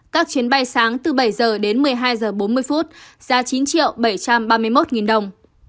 các chuyến bay sáng từ bảy h đến một mươi hai h bốn mươi giá chín bảy trăm ba mươi một đồng